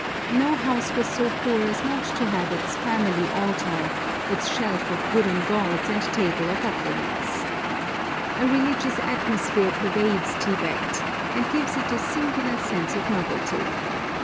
No house was so poor as not to have its 'family altar,' its shelf of wooden gods, and table of offerings. A religious atmosphere pervades Tibet, and gives it a singular sense of novelty.